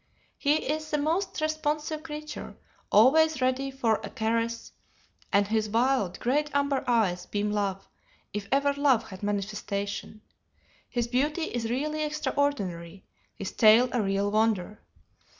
He is the most responsive creature, always ready for a caress, and his wild, great amber eyes beam love, if ever love had manifestation. His beauty is really extraordinary; his tail a real wonder.